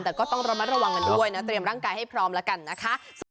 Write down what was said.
แต่ก็ต้องระมัดระวังกันด้วยนะเตรียมร่างกายให้พร้อมแล้วกันนะคะ